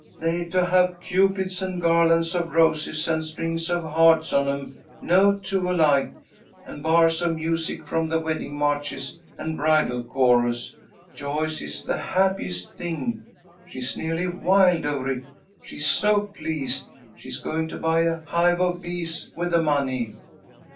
"They're to have Cupids and garlands of roses and strings of hearts on 'em, no two alike, and bars of music from the wedding marches and bridal chorus. Joyce is the happiest thing! She's nearly wild over it, she's so pleased. She's going to buy a hive of bees with the money."